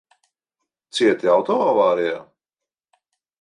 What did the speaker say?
Cieti auto avārijā?